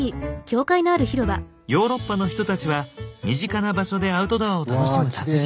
ヨーロッパの人たちは身近な場所でアウトドアを楽しむ達人。